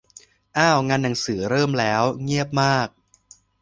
อ้าว งานหนังสือเริ่มแล้ว เงียบมาก